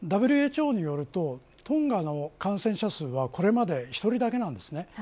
ＷＨＯによるとトンガの感染者数はこれまで１人だけなんです。